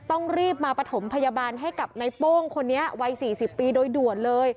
ต้องรีบมาประถมพยาบาลให้กับในโป้งคนนี้วัย๔๐ปีโดยด่วนเลย